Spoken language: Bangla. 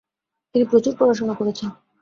তিনি প্রচুর পড়াশোনা করেছেন।